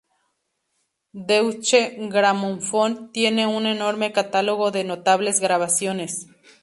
Deutsche Grammophon tiene un enorme catálogo de notables grabaciones.